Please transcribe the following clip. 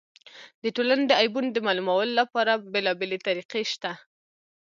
د ټولني د عیبونو د معلومولو له پاره بېلابېلې طریقي سته.